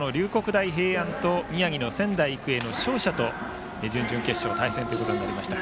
大平安と宮城の仙台育英の勝者と準々決勝、対戦となりました。